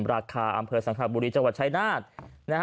ราคาอำเภอสังขบุรีจังหวัดชายนาฏ